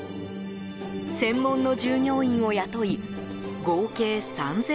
専門の従業員を雇い合計３０００